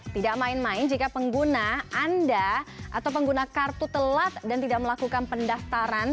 tidak main main jika pengguna anda atau pengguna kartu telat dan tidak melakukan pendaftaran